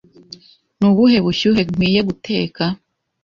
Ni ubuhe bushyuhe nkwiye guteka?